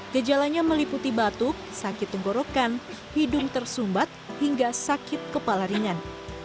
gejalanya meliputi batuk sakit tenggorokan hidung tersumbat hingga sakit kepala ringan